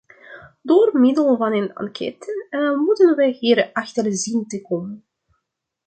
Door middel van een enquête moeten we hier achter zien te komen.